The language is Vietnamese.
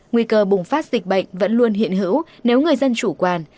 nguy cơ bùng phát dịch bệnh vẫn luôn hiện hữu nếu người dân chủ quan